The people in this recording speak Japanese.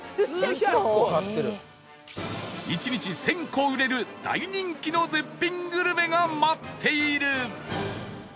１日１０００個売れる大人気の絶品グルメが待っている！